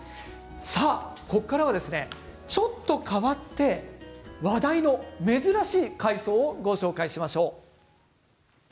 ここからは、ちょっと変わって話題の珍しい海藻をご紹介しましょう。